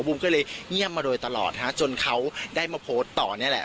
ก็เลยเงียบมาโดยตลอดฮะจนเขาได้มาโพสต์ต่อนี่แหละ